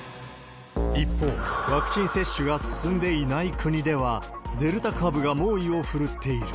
一方、ワクチン接種が進んでいない国では、デルタ株が猛威を振るっている。